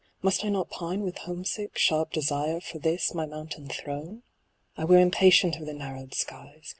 Must I not pine with home sick, sharp desire For this my mountain throne ? I were impatient of the narrowed skies.